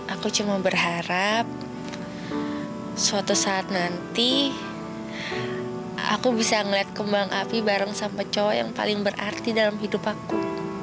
aku cuma berharap suatu saat nanti aku bisa melihat kembang api bareng sama peco yang paling berarti dalam hidup aku